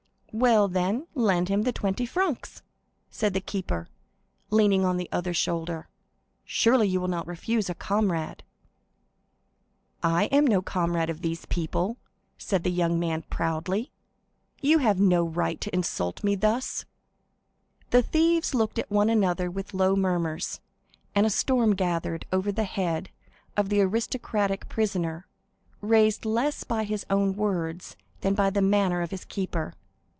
"Well, then, lend him the twenty francs," said the keeper, leaning on the other shoulder; "surely you will not refuse a comrade!" 50151m "I am no comrade of these people," said the young man, proudly, "you have no right to insult me thus." The thieves looked at one another with low murmurs, and a storm gathered over the head of the aristocratic prisoner, raised less by his own words than by the manner of the keeper.